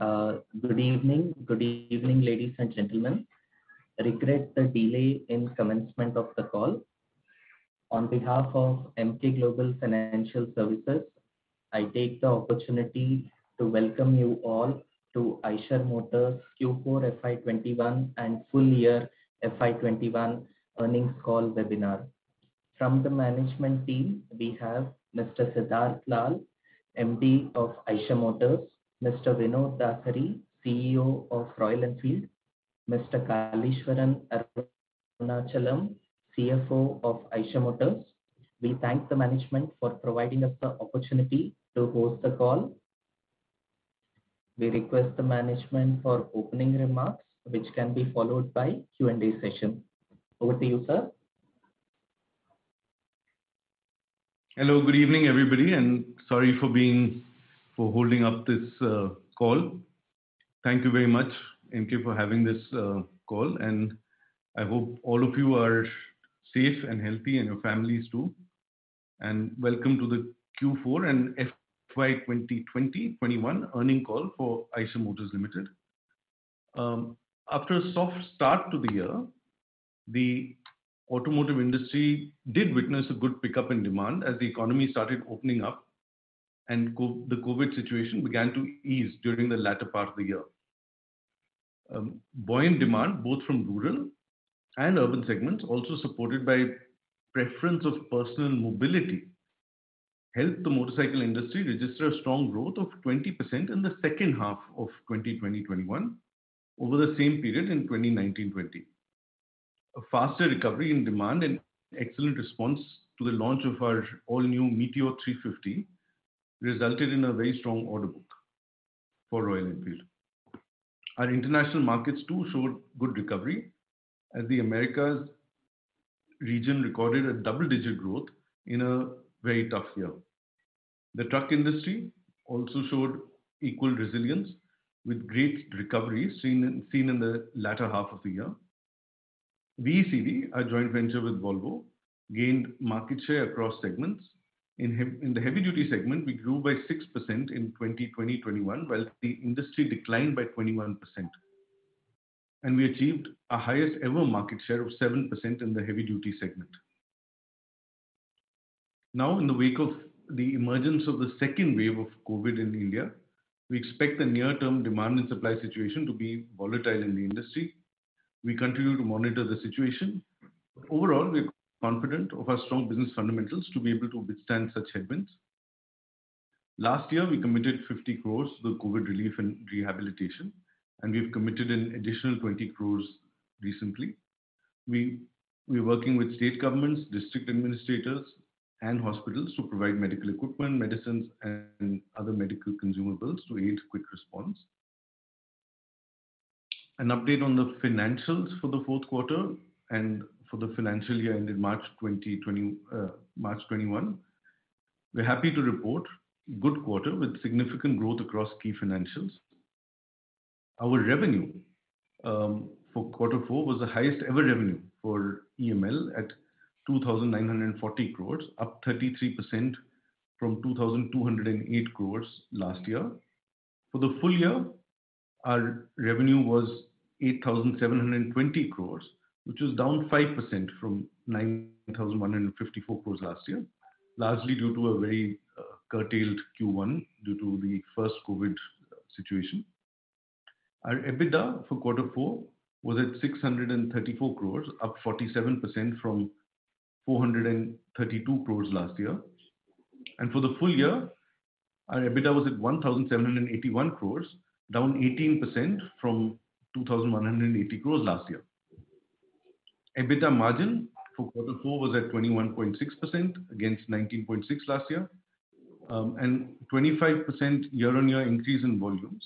Good evening, ladies and gentlemen. I regret the delay in the commencement of the call. On behalf of Emkay Global Financial Services, I take the opportunity to welcome you all to Eicher Motors Q4 FY 2021 and full year FY 2021 earnings call webinar. From the management team, we have Mr. Siddhartha Lal, MD of Eicher Motors, Mr. Vinod Dasari, CEO of Royal Enfield, Mr. Kaleeswaran Arunachalam, CFO of Eicher Motors. We thank the management for providing us the opportunity to host the call. We request the management for opening remarks, which can be followed by a Q&A session. Over to you, sir. Hello, good evening, everybody, and sorry for holding up this call. Thank you very much, Emkay, for having this call, and I hope all of you are safe and healthy, and your families, too. Welcome to the Q4 and FY 2021 earnings call for Eicher Motors Limited. After a soft start to the year, the automotive industry did witness a good pickup in demand as the economy started opening up and the COVID situation began to ease during the latter part of the year. Buoyant demand, both from rural and urban segments, also supported by preference of personal mobility, helped the motorcycle industry register a strong growth of 20% in the second half of 2020/2021 over the same period in 2019/2020. A faster recovery in demand and excellent response to the launch of our all-new Meteor 350 resulted in a very strong order book for Royal Enfield. Our international markets too showed good recovery as the Americas region recorded a double-digit growth in a very tough year. The truck industry also showed equal resilience with great recovery seen in the latter half of the year. VECV, our joint venture with Volvo, gained market share across segments. In the heavy-duty segment, we grew by 6% in 2020/21, while the industry declined by 21%, and we achieved a highest-ever market share of 7% in the heavy-duty segment. Now, in the wake of the emergence of the second wave of COVID in India, we expect the near-term demand and supply situation to be volatile in the industry. We continue to monitor the situation, but overall, we are confident of our strong business fundamentals to be able to withstand such headwinds. Last year, we committed 50 crores to the COVID relief and rehabilitation, and we've committed an additional 20 crores recently. We're working with state governments, district administrators, and hospitals to provide medical equipment, medicines, and other medical consumables to aid quick response. An update on the financials for the fourth quarter and for the financial year ending March 2021. We're happy to report a good quarter with significant growth across key financials. Our revenue for quarter four was the highest-ever revenue for EML at 2,940 crores, up 33% from 2,208 crores last year. For the full year, our revenue was 8,720 crores, which is down 5% from 9,154 crores last year, largely due to a very curtailed Q1 due to the first COVID situation. Our EBITDA for quarter four was at 634 crores, up 47% from 432 crores last year. For the full year, our EBITDA was at 1,781 crores, down 18% from 2,180 crores last year. EBITDA margin for quarter four was at 21.6% against 19.6 last year, 25% year-on-year increase in volumes.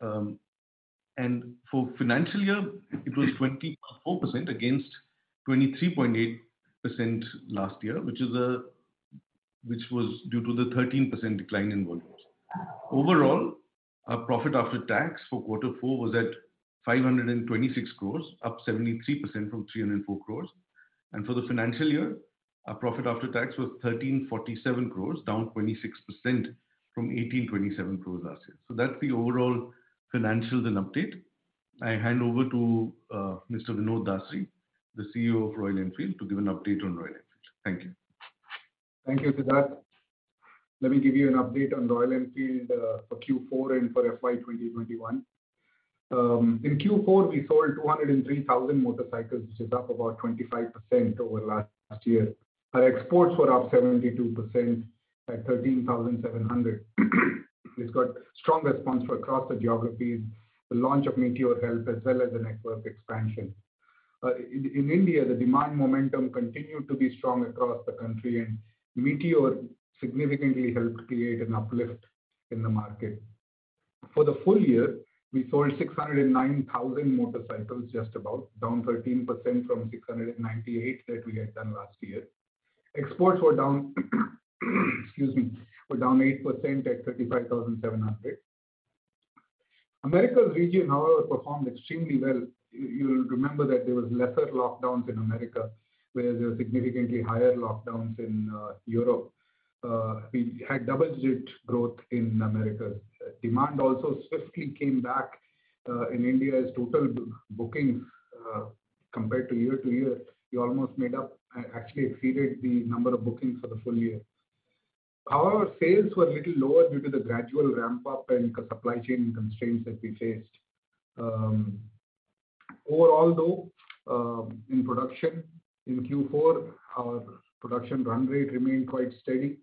For the financial year, it was 24% against 23.8% last year, which was due to the 13% decline in volumes. Overall, our profit after tax for quarter four was at 526 crores, up 73% from 304 crores. For the financial year, our profit after tax was 1,347 crores, down 26% from 1,827 crores last year. That's the overall financials and update. I hand over to Mr. Vinod Dasari, the CEO of Royal Enfield, to give an update on Royal Enfield. Thank you. Thank you, Siddhartha. Let me give you an update on Royal Enfield for Q4 and for FY 2021. In Q4, we sold 203,000 motorcycles, which is up about 25% over last year. Our exports were up 72% at 13,700. We've got strong response across the geographies. The launch of Meteor helped as well as the network expansion. In India, the demand momentum continued to be strong across the country, and Meteor significantly helped create an uplift in the market. For the full year, we sold 609,000 motorcycles, just about, down 13% from 698 that we had done last year. Exports were down 8% at 35,700. America region, however, performed extremely well. You'll remember that there was lesser lockdowns in America, where there were significantly higher lockdowns in Europe. We had double-digit growth in America. Demand also swiftly came back in India as total bookings compared to year-to-year. We almost made up, actually exceeded the number of bookings for the full year. Sales were a little lower due to the gradual ramp-up and supply chain constraints that we faced. Overall though, in production, in Q4, our production run rate remained quite steady.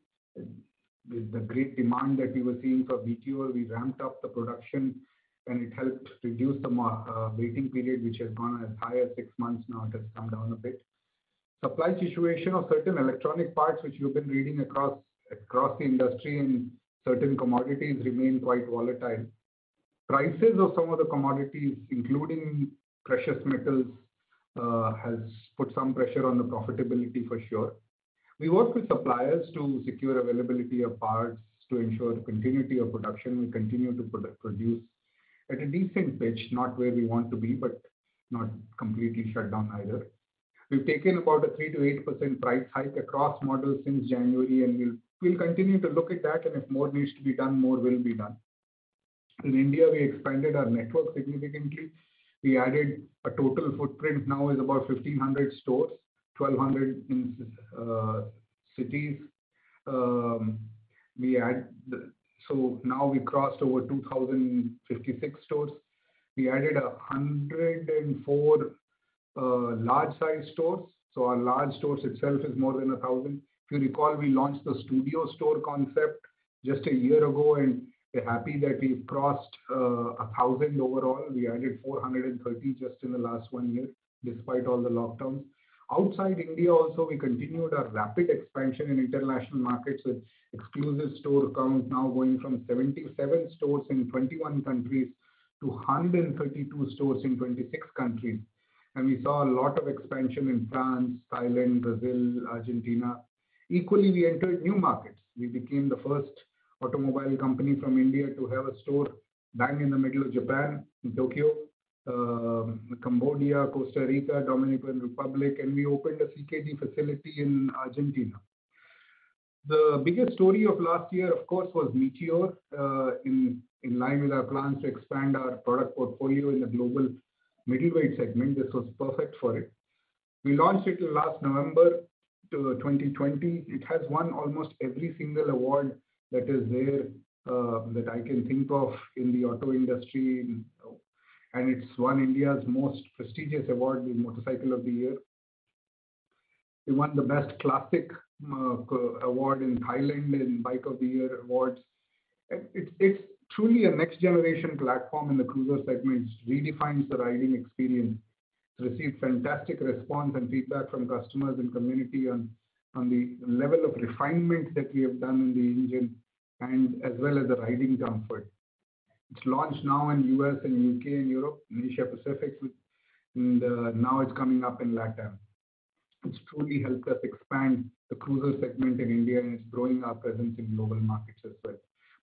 With the great demand that we were seeing for Meteor, we ramped up the production, and it helped reduce the waiting period, which had gone as high as six months. Now it has come down a bit. Supply situation of certain electronic parts, which you've been reading across the industry and certain commodities remain quite volatile. Prices of some of the commodities, including precious metals, has put some pressure on the profitability for sure. We work with suppliers to secure availability of parts to ensure the continuity of production. We continue to produce at a decent pitch, not where we want to be, but not completely shut down either. We've taken about a 3%-8% price hike across models since January, and we'll continue to look at that, and if more needs to be done, more will be done. In India, we expanded our network significantly. We added a total footprint now is about 1,500 stores, 1,200 in cities. Now we crossed over 2,056 stores. We added 104 large-sized stores. Our large stores itself is more than 1,000. If you recall, we launched the studio store concept just a year ago, and we're happy that we crossed 1,000 overall. We added 430 just in the last one year, despite all the lockdowns. Outside India also, we continued our rapid expansion in international markets with exclusive store count now going from 77 stores in 21 countries to 132 stores in 26 countries. We saw a lot of expansion in France, Thailand, Brazil, Argentina. Equally, we entered new markets. We became the first automobile company from India to have a store bang in the middle of Japan, in Tokyo, Cambodia, Costa Rica, Dominican Republic, and we opened a CKD facility in Argentina. The biggest story of last year, of course, was Meteor. In line with our plans to expand our product portfolio in the global midway segment, this was perfect for it. We launched it last November 2020. It has won almost every single award that is there that I can think of in the auto industry, and it's won India's most prestigious award, the Indian Motorcycle of the Year. We won the Best Classic award in Thailand and Bike of the Year awards. It's truly a next-generation platform in the cruiser segment. It redefines the riding experience. Received fantastic response and feedback from customers and community on the level of refinement that we have done in the engine, and as well as the riding comfort. It's launched now in U.S. and U.K. and Europe, Asia-Pacific, and now it's coming up in LATAM. It's truly helped us expand the cruiser segment in India, and it's growing our presence in global markets as well.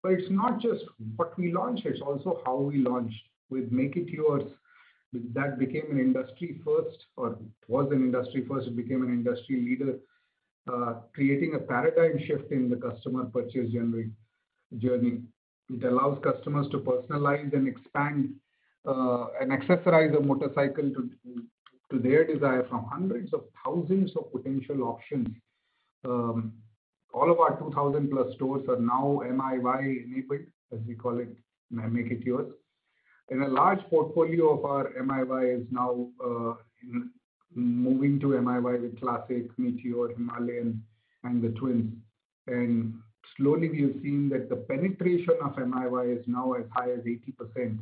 It's not just what we launched, it's also how we launched. With Make It Yours, that became an industry first or was an industry first, became an industry leader, creating a paradigm shift in the customer purchase journey. It allows customers to personalize and expand, and accessorize a motorcycle to their desire from hundreds of thousands of potential options. All of our 2,000+ stores are now MIY-enabled, as we call it, Make It Yours. A large portfolio of our MIY is now moving to MIY, the Classic, Meteor, Himalayan, and the Twin. Slowly, we are seeing that the penetration of MIY is now as high as 80%,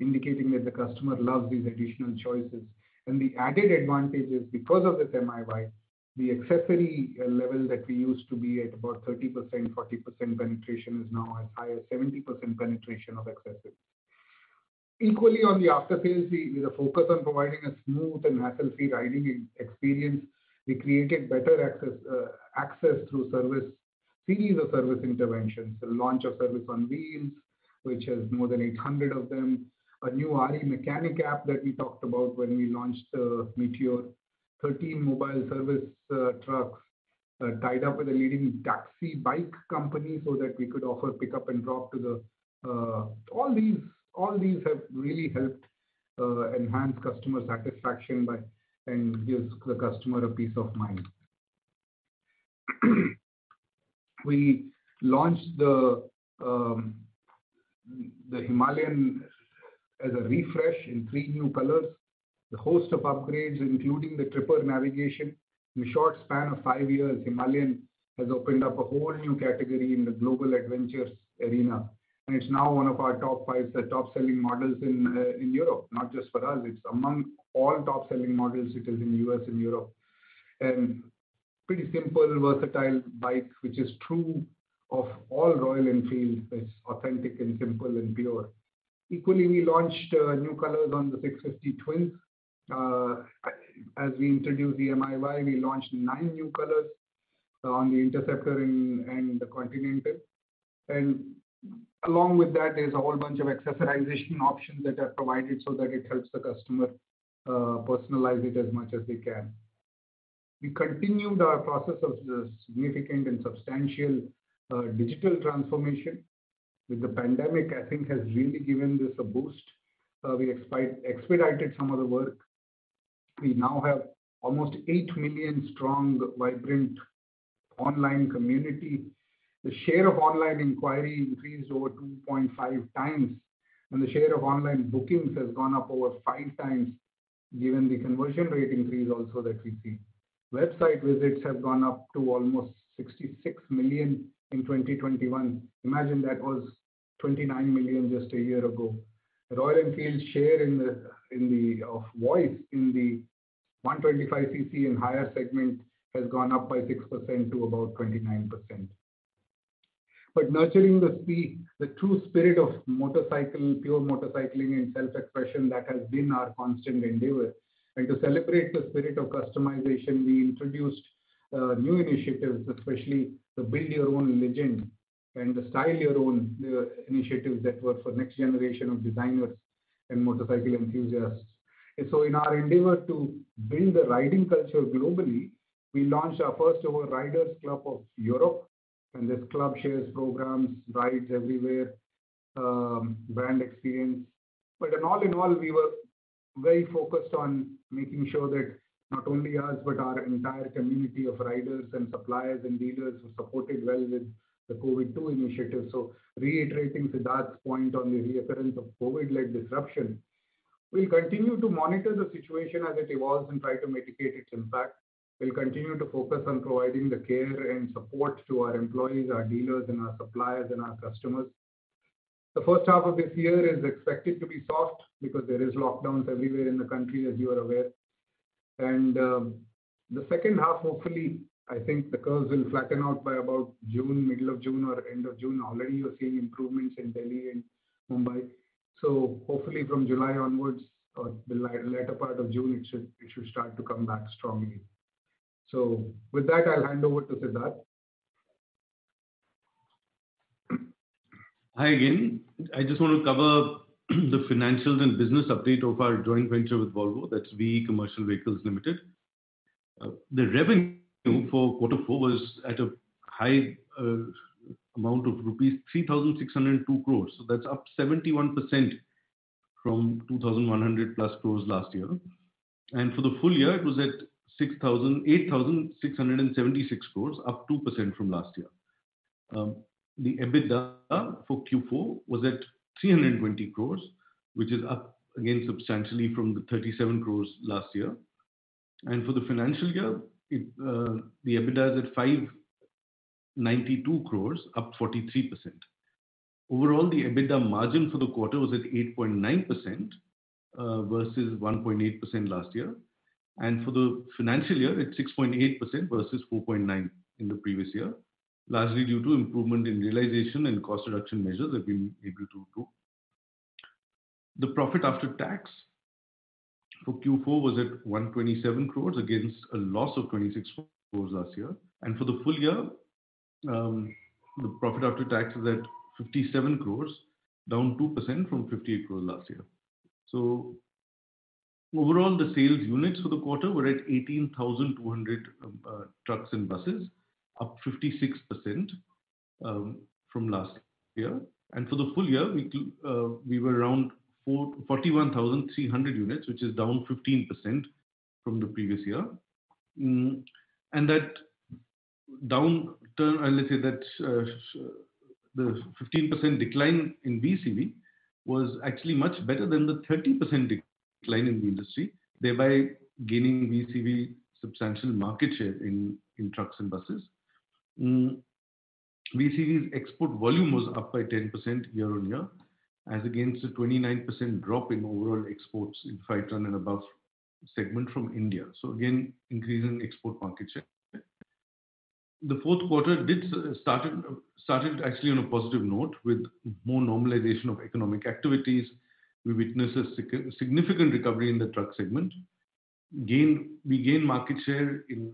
indicating that the customer loves these additional choices. The added advantage is because of this MIY, the accessory level that we used to be at about 30%, 40% penetration is now as high as 70% penetration of accessories. Equally on the after-sales, we are focused on providing a smooth and hassle-free riding experience. We created better access through service, series of service interventions, the launch of Service on Wheels, which has more than 800 of them. A new RE Mechanic app that we talked about when we launched the Meteor. 13 mobile service trucks tied up with a leading taxi bike company so that we could offer pick-up and drop. All these have really helped enhance customer satisfaction and gives the customer a peace of mind. We launched the Himalayan as a refresh in three new colors. A host of upgrades, including the Tripper navigation. In the short span of five years, Himalayan has opened up a whole new category in the global adventures arena, it's now one of our top five, the top-selling models in Europe. Not just for us. It's among all top-selling models it is in U.S. and Europe. Pretty simple, versatile bike, which is true of all Royal Enfields. It's authentic and simple and pure. Equally, we launched new colors on the 650 Twin. As we introduced the MIY, we launched nine new colors on the Interceptor and the Continental. Along with that, there's a whole bunch of accessorization options that are provided so that it helps the customer personalize it as much as they can. We continued our process of significant and substantial digital transformation. With the pandemic, I think, has really given this a boost. We expedited some of the work. We now have almost 8 million strong, vibrant online community. The share of online inquiry increased over 2.5 times, and the share of online bookings has gone up over five times, given the conversion rate increase also that we see. Website visits have gone up to almost 66 million in 2021. Imagine that was 29 million just a year ago. Royal Enfield's share of voice in the 125cc and higher segment has gone up by 6% to about 29%. Nurturing the true spirit of motorcycle, pure motorcycling, and self-expression, that has been our constant endeavor. To celebrate the spirit of customization, we introduced new initiatives, especially the Build Your Own Legend and the Style Your Own initiatives that were for next generation of designers and motorcycle enthusiasts. In our endeavor to build a riding culture globally, we launched our first-ever Riders Club of Europe. This club shares programs, rides everywhere, and brand experience. All in all, we were very focused on making sure that not only us, but our entire community of riders and suppliers and dealers were supported well with the COVID-19 initiative. Reiterating 's point on the reoccurrence of COVID-like disruption, we'll continue to monitor the situation as it evolves and try to mitigate its impact. We'll continue to focus on providing the care and support to our employees, our dealers, and our suppliers, and our customers. The first half of this year is expected to be soft because there is lockdowns everywhere in the country, as you are aware. The second half, hopefully, I think the curves will flatten out by about June, middle of June or end of June. Already we're seeing improvements in Delhi and Mumbai. Hopefully from July onwards or the latter part of June, it should start to come back strongly. With that, I'll hand over to Siddhartha. Hi again. I just want to cover the financials and business update of our joint venture with Volvo. That's VE Commercial Vehicles Limited. The revenue for quarter four was at a high amount of rupees 3,602 crores. That's up 71% from 2,100+ crores last year. For the full year, it was at 8,676 crores, up 2% from last year. The EBITDA for Q4 was at 320 crores, which is up again substantially from the 37 crores last year. For the financial year, the EBITDA is at 592 crores, up 43%. Overall, the EBITDA margin for the quarter was at 8.9% versus 1.8% last year. For the financial year, at 6.8% versus 4.9% in the previous year, largely due to improvement in realization and cost reduction measures that we've been able to do. The profit after tax for Q4 was at 127 crores against a loss of 26 crores last year. For the full year, the profit after tax was at 57 crores, down 2% from 58 crores last year. Overall, the sales units for the quarter were at 18,200 trucks and buses, up 56% from last year. For the full year, we were around 41,300 units, which is down 15% from the previous year. That downturn, I'll say that the 15% decline in VECV was actually much better than the 30% decline in the industry, thereby gaining VECV substantial market share in trucks and buses. VECV's export volume was up by 10% year on year as against a 29% drop in overall exports in 5 ton and above segment from India. Again, increase in export market share. The fourth quarter started actually on a positive note with more normalization of economic activities. We witnessed a significant recovery in the truck segment. We gained market share in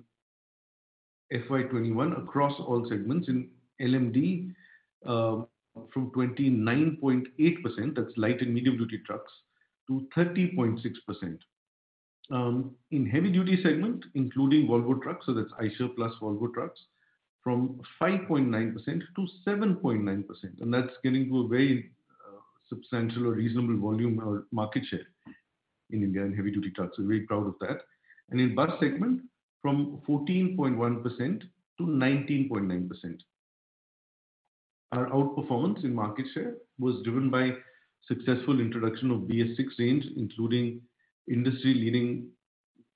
FY 2021 across all segments. In LMD, from 29.8%, that's light and medium-duty trucks, to 30.6%. In heavy-duty segment, including Volvo trucks, that's Eicher plus Volvo trucks, from 5.9% to 7.9%, that's getting to a very substantial or reasonable volume market share in India in heavy-duty trucks. Very proud of that. In bus segment, from 14.1% to 19.9%. Our outperformance in market share was driven by successful introduction of BS6 range, including industry-leading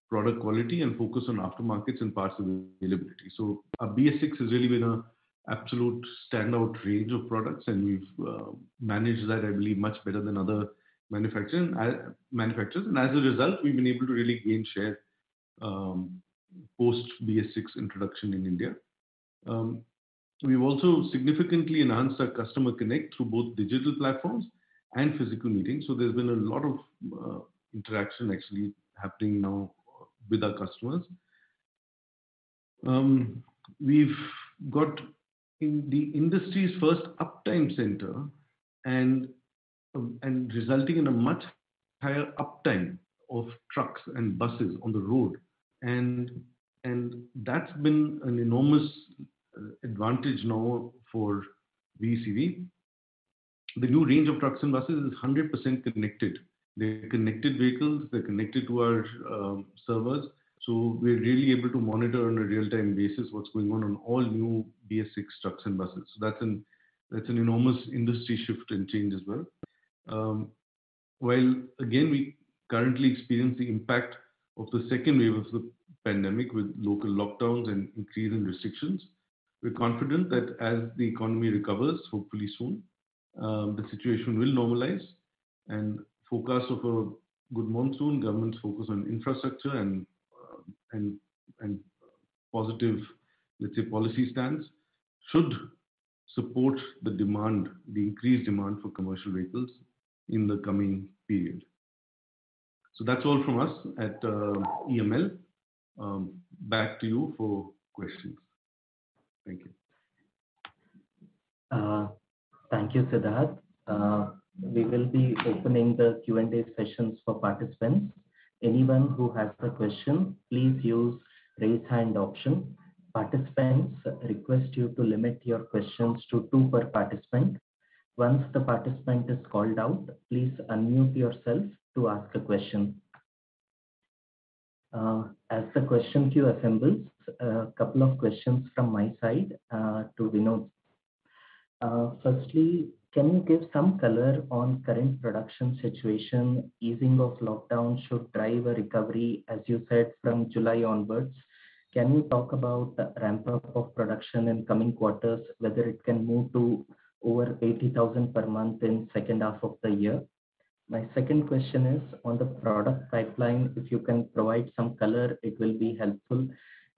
product quality and focus on aftermarkets and parts availability. Our BS6 has really been an absolute standout range of products, we've managed that, I believe, much better than other manufacturers. As a result, we've been able to really gain share post BS6 introduction in India. We've also significantly enhanced our customer connect through both digital platforms and physical meetings. There's been a lot of interaction actually happening now with our customers. We've got the industry's first uptime center, and resulting in a much higher uptime of trucks and buses on the road. That's been an enormous advantage now for VECV. The new range of trucks and buses is 100% connected. They're connected vehicles. They're connected to our servers. We're really able to monitor on a real-time basis what's going on all new BS VI trucks and buses. That's an enormous industry shift and change as well. Again, we currently experience the impact of the second wave of the pandemic with local lockdowns and increase in restrictions, we're confident that as the economy recovers, hopefully soon, the situation will normalize, and focus of a good monsoon, government's focus on infrastructure and positive, let's say, policy stance should support the increased demand for commercial vehicles in the coming period. That's all from us at EML. Back to you for questions. Thank you. Thank you, Siddhartha. We will be opening the Q&A sessions for participants. Anyone who has a question, please use raise hand option. Participants, request you to limit your questions to two per participant. Once the participant is called out, please unmute yourself to ask a question. As the question queue assembles, a couple of questions from my side to Vinod. Firstly, can you give some color on current production situation? Easing of lockdown should drive a recovery, as you said, from July onwards. Can you talk about the ramp-up of production in coming quarters, whether it can move to over 80,000 per month in second half of the year? My second question is on the product pipeline. If you can provide some color, it will be helpful.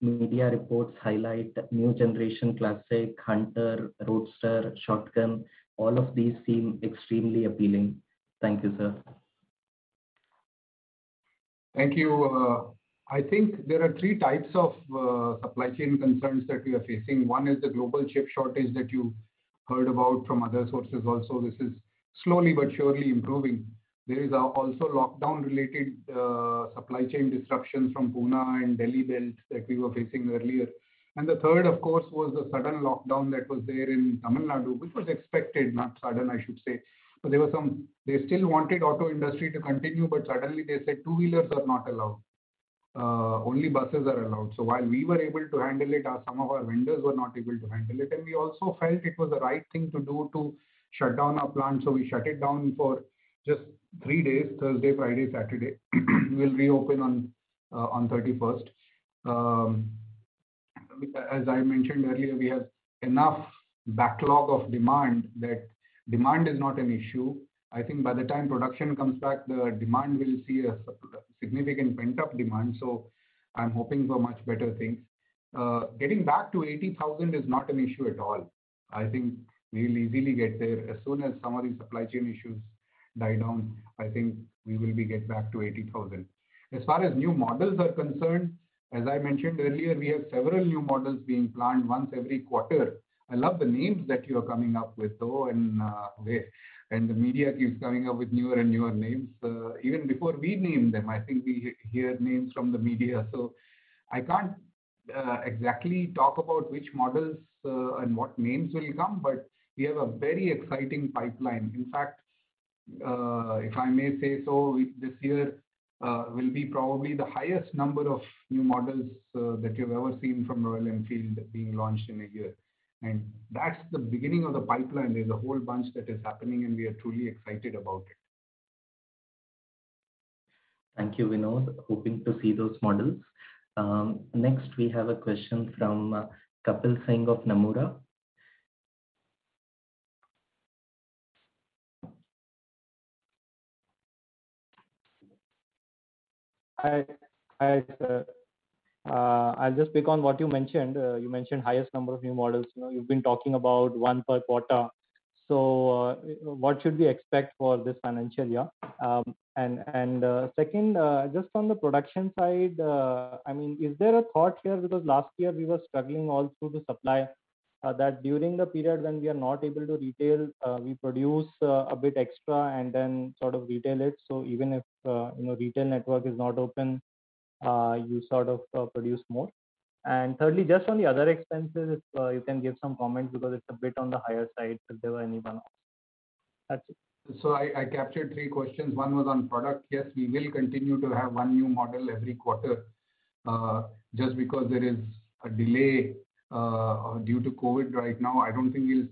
Media reports highlight new generation Classic, Hunter, Guerrilla 450, Shotgun, all of these seem extremely appealing. Thank you, sir. Thank you. I think there are three types of supply chain concerns that we are facing. One is the global chip shortage that you heard about from other sources also. This is slowly but surely improving. There is also lockdown related supply chain disruptions from Pune and Delhi belt that we were facing earlier. The third, of course, was the sudden lockdown that was there in Tamil Nadu, which was expected, not sudden, I should say. They still wanted auto industry to continue, but suddenly they said two-wheelers are not allowed, only buses are allowed. While we were able to handle it, some of our vendors were not able to handle it. We also felt it was the right thing to do to shut down our plant. We shut it down for just three days, Thursday, Friday, Saturday. We'll reopen on 31st. As I mentioned earlier, we have enough backlog of demand that demand is not an issue. I think by the time production comes back, the demand will see a significant pent-up demand. I'm hoping for much better things. Getting back to 80,000 is not an issue at all. I think we'll easily get there. As soon as some of these supply chain issues die down, I think we will be getting back to 80,000. As far as new models are concerned, as I mentioned earlier, we have several new models being planned once every quarter. I love the names that you are coming up with though, and the way, and the media keeps coming up with newer and newer names. Even before we name them, I think we hear names from the media. I can't exactly talk about which models, and what names will come, but we have a very exciting pipeline. In fact, if I may say so, this year will be probably the highest number of new models that you've ever seen from Royal Enfield being launched in a year. That's the beginning of the pipeline. There's a whole bunch that is happening, and we are truly excited about it. Thank you, Vinod. Hoping to see those models. Next we have a question from Kapil Singh of Nomura. Hi. I'll just pick on what you mentioned. You mentioned highest number of new models. You've been talking about one per quarter. What should we expect for this financial year? Second, just on the production side, is there a thought here? Because last year we were struggling all through the supply, that during the period when we are not able to retail, we produce a bit extra and then sort of retail it. Even if retail network is not open, you sort of produce more. Thirdly, just on the other expenses, if you can give some comment because it's a bit on the higher side, if there were any I captured three questions. One was on product. Yes, we will continue to have one new model every quarter. Just because there is a delay due to COVID right now, I don't think we'll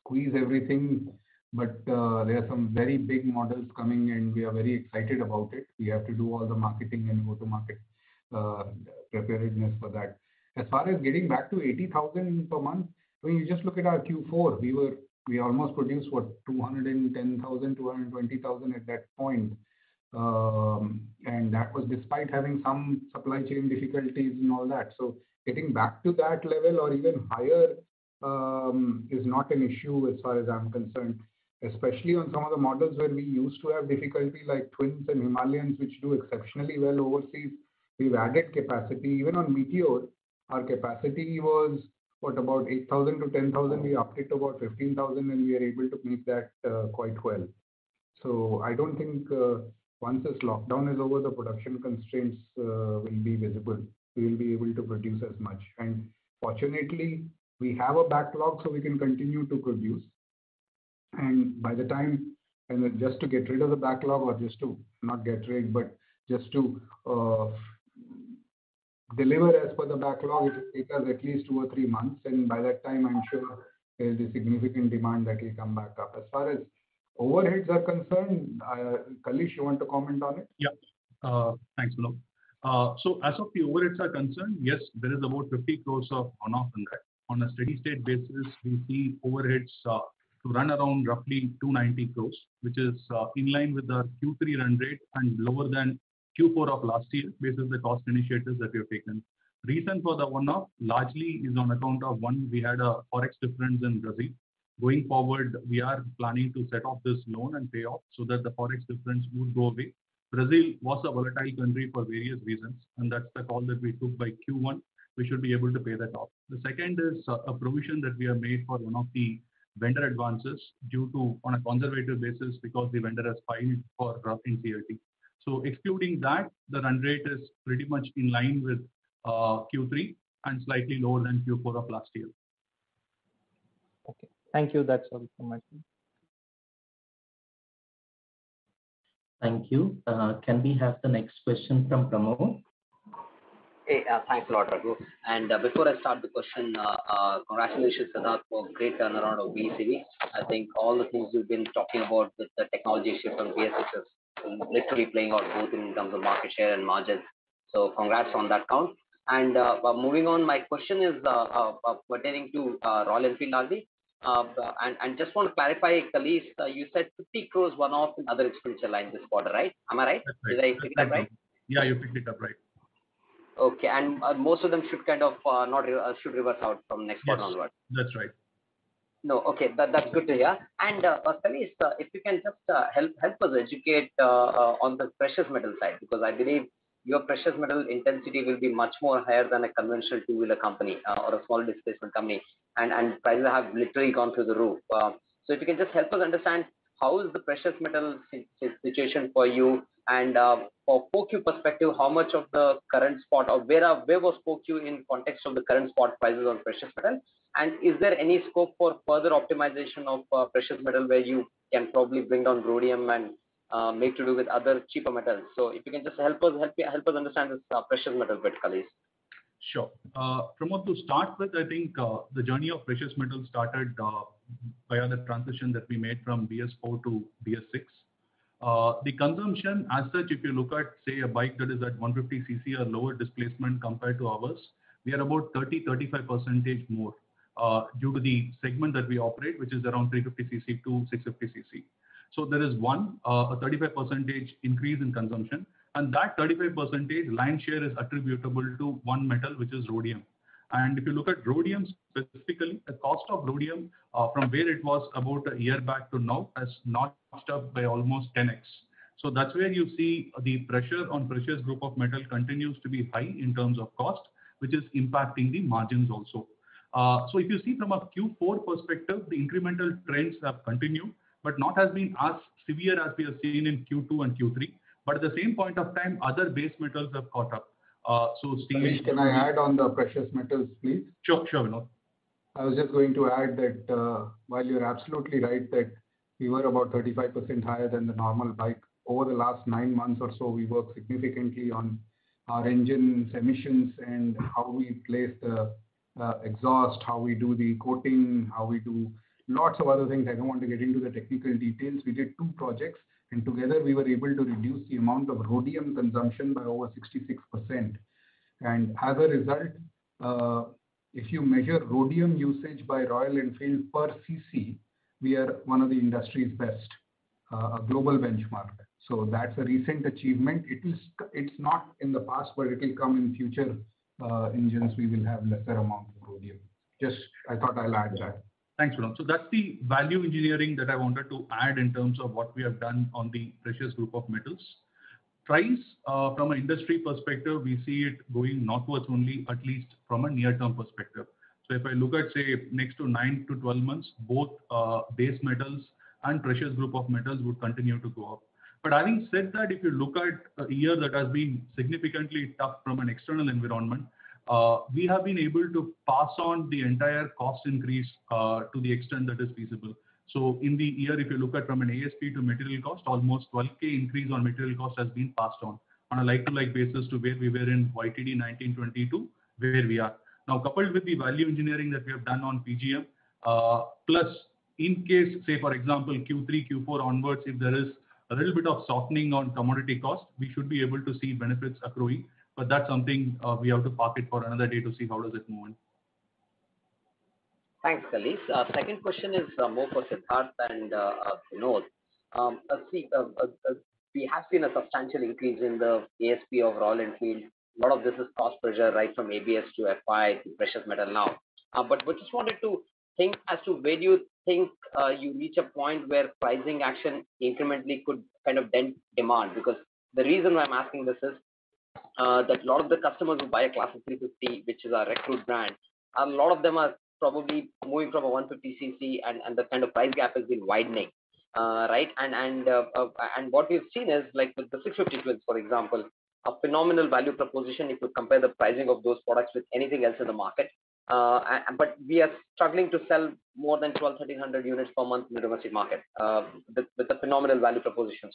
squeeze everything, but there are some very big models coming, and we are very excited about it. We have to do all the marketing and go-to-market preparedness for that. As far as getting back to 80,000 per month, if you just look at our Q4, we almost produced, what, 210,000, 220,000 at that point. That was despite having some supply chain difficulties and all that. Getting back to that level or even higher is not an issue as far as I'm concerned, especially on some of the models where we used to have difficulty, like Twins and Himalayans, which do exceptionally well overseas. We've added capacity. Even on Meteor, our capacity was what, about 8,000 to 10,000. We upticked about 15,000, and we are able to meet that quite well. I don't think once this lockdown is over, the production constraints will be visible. We'll be able to produce as much. Fortunately, we have a backlog, so we can continue to produce. By the time, just to get rid of the backlog or just to, not get rid, but just to deliver as per the backlog, it takes at least two or three months, and by that time, I'm sure there's a significant demand that will come back up. As far as overheads are concerned, Kalees, you want to comment on it? Yeah. Thanks, Vinod. As far the overheads are concerned, yes, there is about 50 crores of one-off in that. On a steady state basis, we see overheads run around roughly 290 crores, which is in line with our Q3 run rate and lower than Q4 of last year based on the cost initiatives that we have taken. Reason for the one-off largely is on account of, one, we had a forex difference in Brazil. Going forward, we are planning to set off this loan and pay off so that the forex difference will go away. Brazil was a volatile country for various reasons. That's the call that we took by Q1. We should be able to pay that off. The second is a provision that we have made for one of the vendor advances, on a conservative basis, because the vendor has filed for [roughing] NCLT. Excluding that, the run rate is pretty much in line with Q3 and slightly lower than Q4 of last year. Okay. Thank you. That's all from my side. Thank you. Can we have the next question from Pramod Kumar? Hey, thanks a lot, Vinod. Before I start the question, congratulations a lot for a great turnaround of VECV. I think all the moves you've been talking about with the technology shift from BS6 is literally playing out both in terms of market share and margins. Congrats on that count. Moving on, my question is pertaining to Royal Enfield, Vinod. I just want to clarify, Kalees, you said 50 crores one-off and other expenses are lined this quarter, right? Am I right? Did I hear that right? Yeah, you picked it up right. Okay. Most of them should revert out from next quarter onwards. Yes, that's right. No. Okay. That's good to hear. Kalees, if you can just help us educate on the precious metal side, because I believe your precious metal intensity will be much more higher than a conventional two-wheeler company or a small business company, and prices have literally gone through the roof. If you can just help us understand how is the precious metal situation for you, and from cost perspective, how much of the current spot or where was cost in context of the current spot prices on precious metal? Is there any scope for further optimization of precious metal where you can probably bring down rhodium and make do with other cheaper metals? If you can just help us understand precious metal a bit, Kalees. Sure. Pramod, to start with, I think the journey of precious metal started via the transition that we made from BS4 to BS6. The consumption as such, if you look at, say, a bike that is at 150cc or lower displacement compared to ours, we are about 30%, 35% more due to the segment that we operate, which is around 350cc to 650cc. There is, one, a 35% increase in consumption, and that 35% lion share is attributable to one metal, which is rhodium. If you look at rhodium specifically, the cost of rhodium from where it was about one year back to now has notched up by almost 10X. That's where you see the pressure on precious group of metal continues to be high in terms of cost, which is impacting the margins also. If you see from a Q4 perspective, the incremental trends have continued, but not as severe as we have seen in Q2 and Q3, but at the same point of time, other base metals have caught up. Kalees, can I add on the precious metals please? Sure, Vinod. I was just going to add that while you're absolutely right that we were about 35% higher than the normal bike, over the last nine months or so, we worked significantly on our engine emissions and how we place the exhaust, how we do the coating, how we do lots of other things. I don't want to get into the technical details. We did two projects, and together we were able to reduce the amount of rhodium consumption by over 66%. As a result, if you measure rhodium usage by Royal Enfield per cc, we are one of the industry's best, a global benchmark. That's a recent achievement. It's not in the past, but it will come in future engines we will have lesser amount of rhodium. Just I thought I'll add that. Thanks, Vinod. That's the value engineering that I wanted to add in terms of what we have done on the precious group of metals. Price, from an industry perspective, we see it going northwards only, at least from a near-term perspective. If I look at, say, next 9-12 months, both base metals and precious group of metals will continue to go up. Having said that, if you look at a year that has been significantly tough from an external environment, we have been able to pass on the entire cost increase to the extent that is feasible. In the year, if you look at from an ASP to material cost, almost 12,000 increase on material cost has been passed on on a like-to-like basis to where we were in YTD 2019/2022, where we are. Now, coupled with the value engineering that we have done on PGM, plus in case, say, for example, Q3, Q4 onwards, if there is a little bit of softening on commodity cost, we should be able to see benefits accruing, but that's something we have to park it for another day to see how does it move. Thanks, Kalees. Second question is more for Siddhartha and Pramod. We have seen a substantial increase in the ASP overall in Twins. A lot of this is cost pressure right from ABS to FI to precious metal now. We just wanted to think as to where you think you reach a point where pricing action incrementally could kind of dent demand. Because the reason I'm asking this is that a lot of the customers who buy Classic 350, which is our retro brand, a lot of them are probably moving from 150cc and the kind of price gap has been widening. Right? What we've seen is like with the 650 Twins, for example, a phenomenal value proposition if you compare the pricing of those products with anything else in the market We are struggling to sell more than 1,200, 1,300 units per month in the domestic market with the phenomenal value proposition.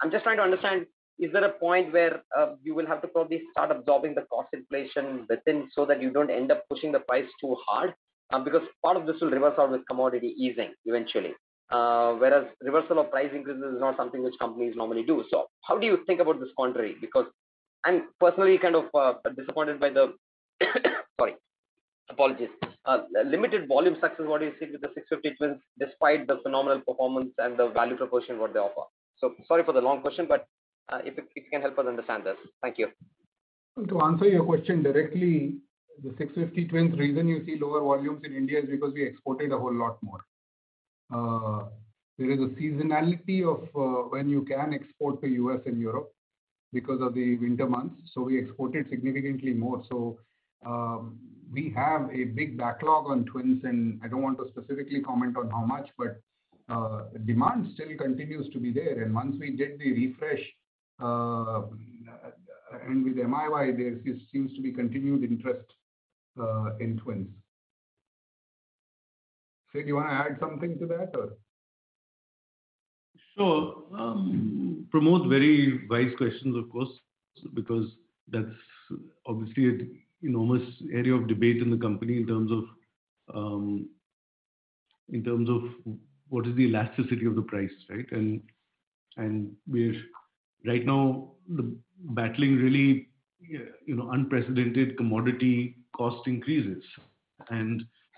I'm just trying to understand, is there a point where you will have to probably start absorbing the cost inflation within so that you don't end up pushing the price too hard? Part of this will reverse off with commodity easing eventually, whereas reversal of pricing is not something which companies normally do. How do you think about this point, right? Personally, kind of disappointed by the Sorry. Apologies. Limited volume success is what you're seeing with the 650 Twins despite the phenomenal performance and the value proposition what they offer. Sorry for the long question, but if it can help us understand this. Thank you. To answer your question directly, the 650 Twins reason you see lower volumes in India is because we exported a whole lot more. There is a seasonality of when you can export to U.S. and Europe because of the winter months. We exported significantly more. We have a big backlog on Twins, and I don't want to specifically comment on how much, but demand still continues to be there. Once we get the refresh, and with MIY there seems to be continued interest in Twins. Sid, you want to add something to that or? Sure. Pramod, very wise questions, of course, because that's obviously an enormous area of debate in the company in terms of what is the elasticity of the price, right? We're right now battling really unprecedented commodity cost increases.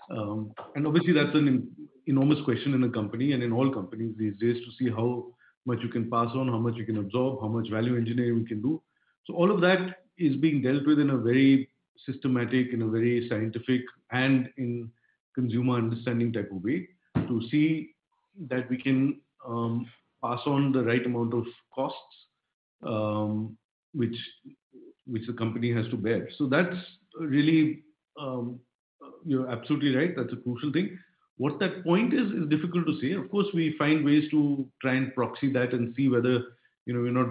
Obviously, that's an enormous question in the company and in all companies these days to see how much you can pass on, how much you can absorb, how much value engineering we can do. All of that is being dealt with in a very systematic and a very scientific and in consumer understanding type of way to see that we can pass on the right amount of costs, which the company has to bear. You're absolutely right. That's a crucial thing. What that point is difficult to say. Of course, we find ways to try and proxy that and see whether we're not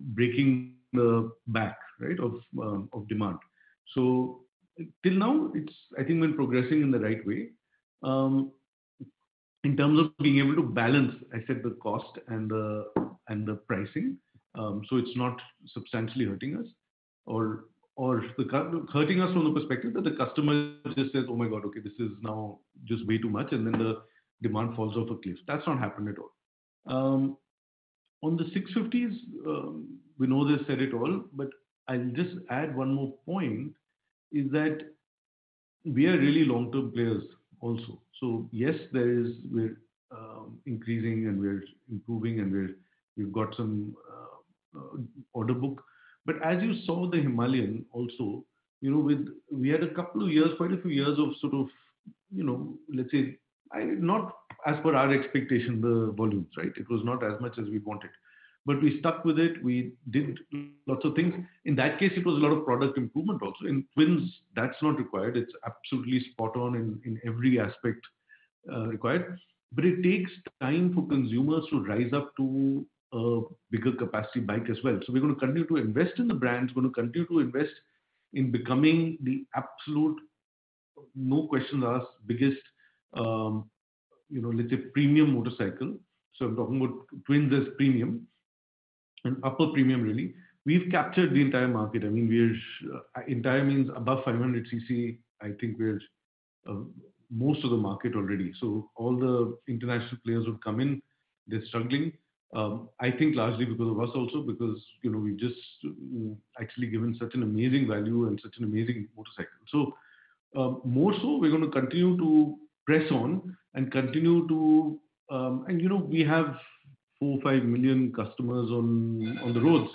breaking the back, right, of demand. Till now, I think we're progressing in the right way, in terms of being able to balance, I said, the cost and the pricing. It's not substantially hurting us or hurting us from the perspective that the customer just says, "Oh my God, okay, this is now just way too much," and then the demand falls off a cliff. That's not happened at all. On the 650s, we know they said it all, but I'll just add one more point is that we are really long-term players also. Yes, we're increasing and we're improving and we've got some order book. As you saw with the Himalayan also, we had a couple of years, quite a few years of sort of, let's say, not as per our expectation, the volumes, right? It was not as much as we wanted. We stuck with it. We did lots of things. In that case, it was a lot of product improvement also. In Twins, that's not required. It's absolutely spot on in every aspect required. It takes time for consumers to rise up to a bigger capacity bike as well. We're going to continue to invest in the brands. We're going to continue to invest in becoming the absolute no-question-asked biggest premium motorcycle. I'm talking about Twins as premium and upper premium really. We've captured the entire market. Entire means above 500 cc. I think we have most of the market already. All the international players who've come in, they're struggling. I think largely because of us also, because we've just actually given such an amazing value and such an amazing motorcycle. More so, we're going to continue to press on and continue to. We have four, five million customers on the roads,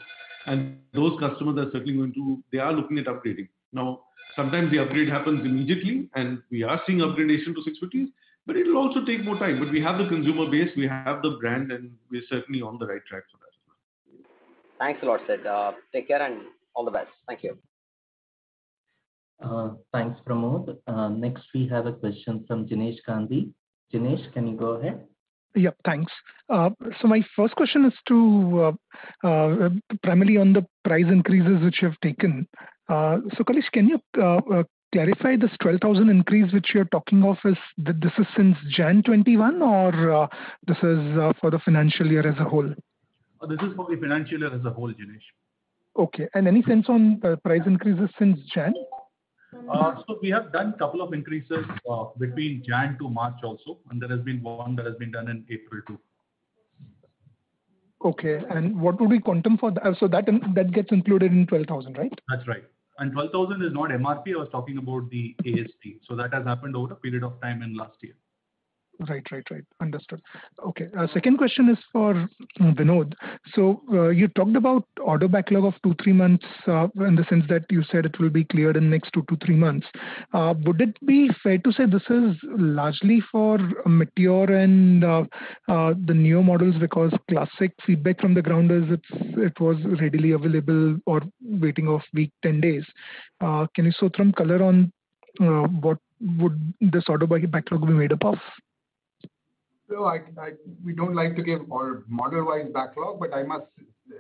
and those customers are certainly going to. They are looking at updating. Now, sometimes the upgrade happens immediately, and we are seeing upgradation to 650, but it will also take more time. We have the consumer base, we have the brand, and we're certainly on the right track for that as well. Thanks a lot, Sid. Take care and all the best. Thank you. Thanks, Pramod. Next we have a question from Jinesh Gandhi. Jinesh, can you go ahead? Yeah, thanks. My first question is primarily on the price increases which you have taken. Kalees, can you clarify this 12,000 increase which you're talking of? This is since January 2021 or this is for the financial year as a whole? This is for the financial year as a whole, Jinesh. Okay. any sense on price increases since January? We have done a couple of increases between January to March also, and there has been one that has been done in April too. Okay. What would be quantum for that? That gets included in 12,000, right? That's right. 12,000 is not MRP, I was talking about the ASP. That has happened over a period of time in last year. Right. Understood. Okay. Second question is for Vinod. You talked about order backlog of two, three months in the sense that you said it will be cleared in the next two to three months. Would it be fair to say this is largely for Meteor and the newer models, because Classic feedback from the ground is it was readily available or waiting a week, 10 days. Can you throw some color on what would this order backlog be made up of? We don't like to give model-wise backlog. I must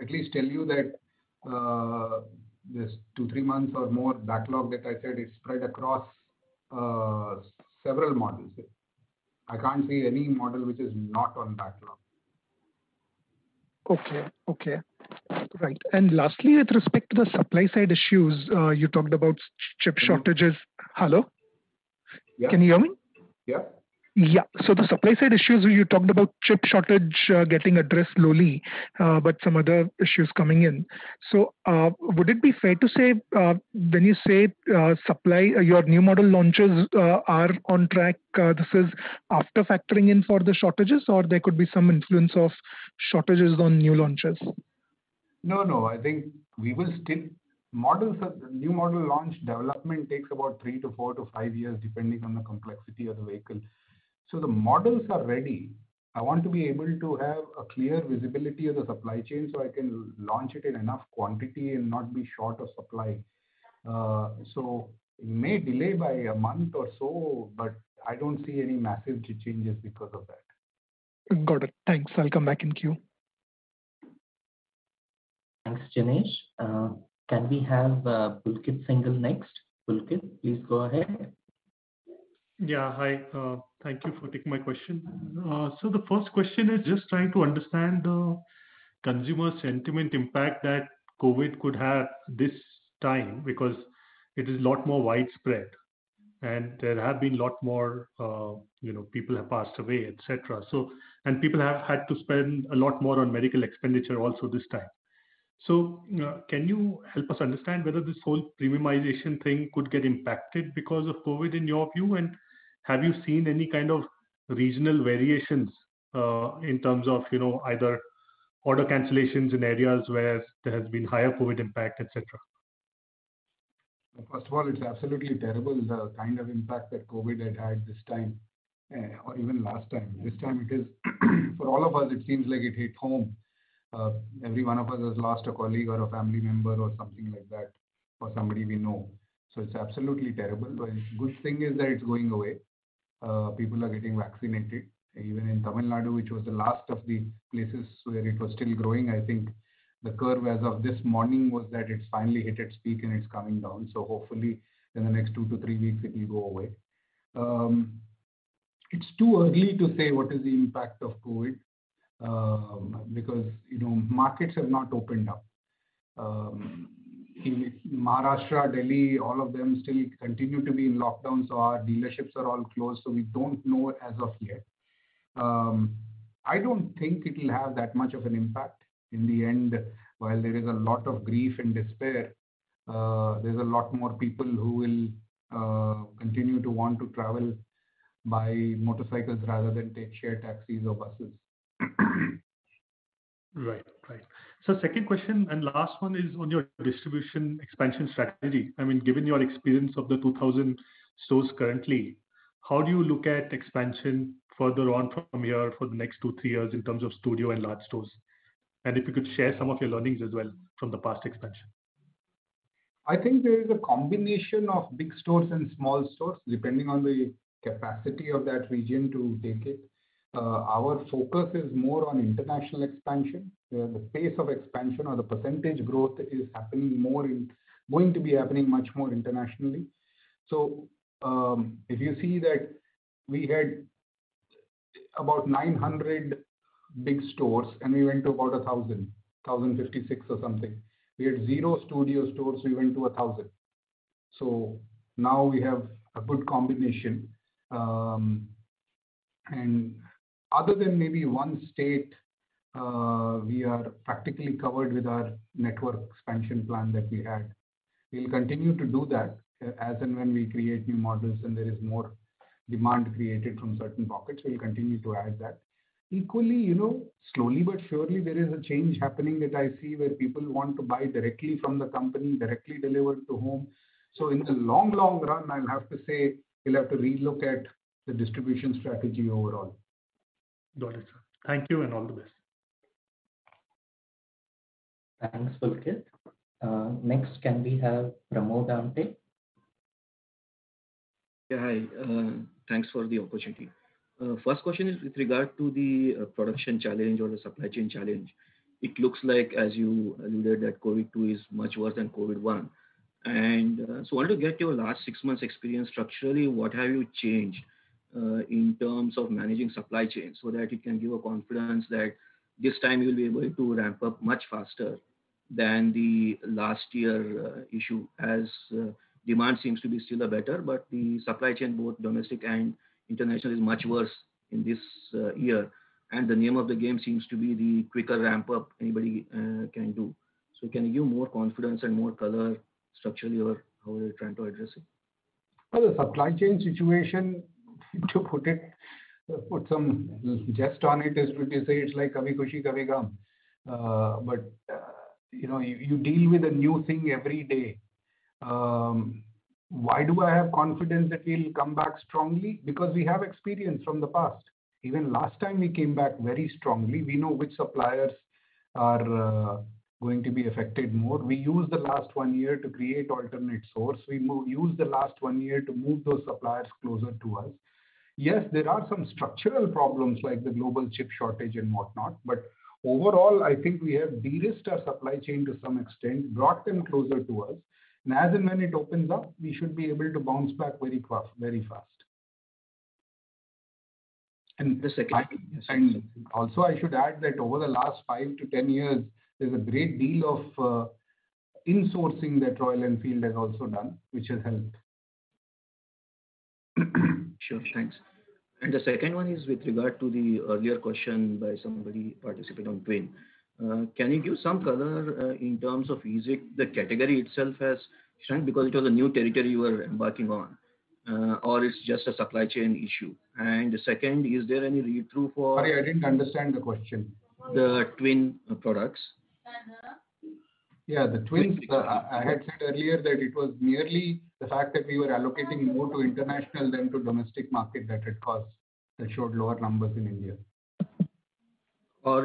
at least tell you that this two, three months or more backlog that I said is spread across several models. I can't say any model which is not on backlog. Okay. Right. Lastly, with respect to the supply side issues, you talked about chip shortages. Hello? Can you hear me? Yeah. The supply side issues, you talked about chip shortage getting addressed slowly but some other issues coming in. Would it be fair to say, when you say your new model launches are on track, this is after factoring in for the shortages, or there could be some influence of shortages on new launches? I think new model launch development takes about three to four to five years, depending on the complexity of the vehicle. The models are ready. I want to be able to have a clear visibility of the supply chain so I can launch it in enough quantity and not be short of supply. It may delay by a month or so, but I don't see any massive changes because of that. Got it. Thanks. I'll come back in queue. Thanks, Jinesh. Can we have Pulkit Singhal next? Pulkit, please go ahead. Yeah, hi. Thank you for taking my question. The first question is just trying to understand the consumer sentiment impact that COVID could have this time, because it is a lot more widespread, and there have been a lot more people have passed away, et cetera. People have had to spend a lot more on medical expenditure also this time. Can you help us understand whether this whole premiumization thing could get impacted because of COVID in your view? Have you seen any kind of regional variations in terms of either order cancellations in areas where there has been higher COVID impact, et cetera? It's absolutely terrible the kind of impact that COVID had this time or even last time. This time for all of us, it seems like it hit home. Every one of us has lost a colleague or a family member or something like that, or somebody we know. It's absolutely terrible. The good thing is that it's going away. People are getting vaccinated. Even in Tamil Nadu, which was the last of the places where it was still growing, I think the curve as of this morning was that it finally hit its peak and it's coming down. Hopefully in the next two to three weeks, it will go away. It's too early to say what is the impact of COVID, because markets have not opened up. In Maharashtra, Delhi, all of them still continue to be in lockdown, so our dealerships are all closed, so we don't know as of yet. I don't think it will have that much of an impact. In the end, while there is a lot of grief and despair, there's a lot more people who will continue to want to travel by motorcycles rather than take shared taxis or buses. Right. Second question, and last one, is on your distribution expansion strategy. Given your experience of the 2,000 stores currently, how do you look at expansion further on from here for the next two, three years in terms of studio and large stores? If you could share some of your learnings as well from the past expansion. I think there is a combination of big stores and small stores depending on the capacity of that region to take it. Our focus is more on international expansion, where the pace of expansion or the percentage growth is going to be happening much more internationally. If you see that we had about 900 big stores, and we went about 1,000, 1,056 or something. We had zero studio stores, we went to 1,000. Now we have a good combination. Other than maybe one state, we are practically covered with our network expansion plan that we had. We'll continue to do that as and when we create new models and there is more demand created from certain pockets. We'll continue to add that. Equally, slowly but surely, there is a change happening that I see where people want to buy directly from the company, directly delivered to home. In the long, long run, I'll have to say we'll have to re-look at the distribution strategy overall. Got it, sir. Thank you. All the best. Thanks, Pulkit. Next, can we have Pramod Amthe? Hi. Thanks for the opportunity. First question is with regard to the production challenge or the supply chain challenge. It looks like, as you alluded that COVID-2 is much worse than COVID-1. I want to get your last six months' experience structurally, what have you changed in terms of managing supply chain so that you can give a confidence that this time you'll be able to ramp up much faster? Than the last year issue as demand seems to be still better, but the supply chain, both domestic and international, is much worse in this year. The name of the game seems to be the quicker ramp up anybody can do. Can you give more confidence and more color structurally how you are trying to address it? Well, the supply chain situation, to put some jest on it, as we say, it's like "Kabhi Khushi Kabhie Gham." You deal with a new thing every day. Why do I have confidence that we'll come back strongly? We have experience from the past. Even last time we came back very strongly. We know which suppliers are going to be affected more. We used the last one year to create alternate source. We used the last one year to move those suppliers closer to us. There are some structural problems like the global chip shortage and whatnot. Overall, I think we have de-risked our supply chain to some extent, brought them closer to us, and as and when it opens up, we should be able to bounce back very fast. Also I should add that over the last 5-10 years, there's a great deal of insourcing that Royal Enfield had also done, which has helped. Sure. Thanks. The second one is with regard to the earlier question by somebody participating on Twins. Can you give some color in terms of is it the category itself has shrunk because it was a new category you are embarking on? Or it's just a supply chain issue? Sorry, I didn't understand the question. The Twins products. Yeah, the Twins. I had said earlier that it was merely the fact that we were allocating more to international than to domestic market that it caused, that showed lower numbers in India.